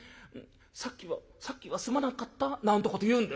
『さっきはさっきはすまなかった』なんてこと言うんですよ。